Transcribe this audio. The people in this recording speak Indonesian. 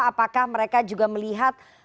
apakah mereka juga melihat